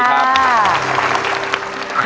สวัสดีครับ